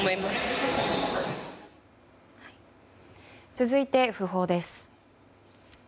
続いて訃報です。